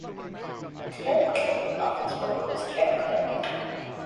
Ted Kennedy often spoke of his character.